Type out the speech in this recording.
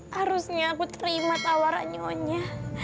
harusnya aku terima tawaran nyonya